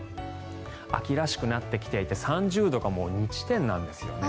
秋らしくなってきていて３０度がもう２地点なんですよね。